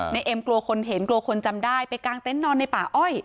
เอ็มกลัวคนเห็นกลัวคนจำได้ไปกางเต็นต์นอนในป่าอ้อย